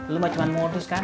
lo mah cuman modus kan